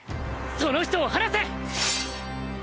その人を放せ！